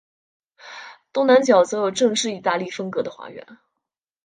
东南角则有正式意大利风格的花园。